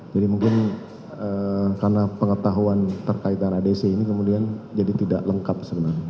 jadi mungkin karena pengetahuan terkaitan adc ini kemudian jadi tidak lengkap sebenarnya